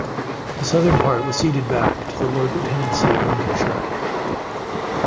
The southern part was ceded back to the Lord Lieutenancy of Lincolnshire.